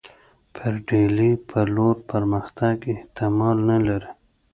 پر ډهلي پر لور پرمختګ احتمال نه لري.